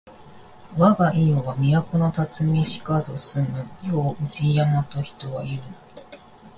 わが庵は都のたつみしかぞ住む世を宇治山と人は言ふなり